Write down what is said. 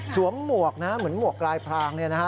สวมหมวกนะฮะเหมือนหมวกรายพรางเนี่ยนะฮะ